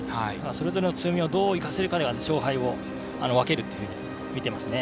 それぞれの強みをどう生かせるかが勝敗を分けると見ていますね。